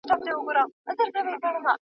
زه له سهاره د کتابتوننۍ سره مرسته کوم!؟